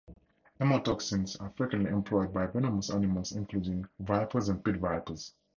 Hemotoxins are frequently employed by venomous animals, including vipers and pit vipers.